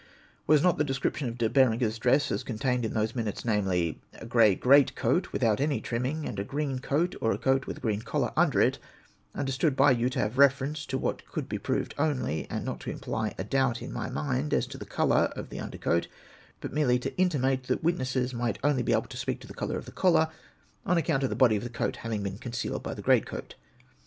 Was not the desci'iption of De Berenger's dress as con tained in those minutes, namely, " a grey great coat, without any trimming, and a green coat, or a coat with a green collar, under it,'* understood by you to have reference to what could be proved only, and not to imply a doubt in my mind as to the colour of the under coat, but merely to intimate that the witnesses might only be able to speak to the colour of the collar, on account of the body of th6 coat having been concealed by the great coat?